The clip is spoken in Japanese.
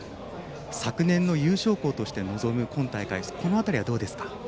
昨年の優勝校として臨む今大会ですがこの辺りはどうですか？